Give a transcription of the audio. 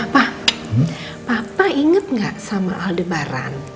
pak papa inget nggak sama aldebaran